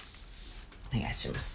お願いします。